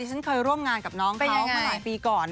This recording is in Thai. ฉันเคยร่วมงานกับน้องเขามาหลายปีก่อน